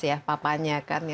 jelas ya papanya kan